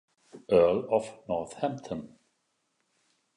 Earl of Northampton.